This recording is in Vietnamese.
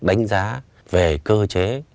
đánh giá về cơ chế